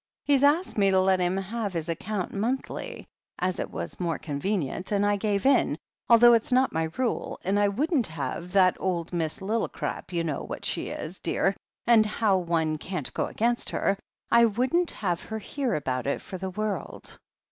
"He asked me to let him have his account monthly, as it was more convenient, and I gave in, although it's not my rule, and I wouldn't have that old Miss Lilli crap— you know what she is, dear, and how one can't go against her — I wouldn't have her hear about it for the world.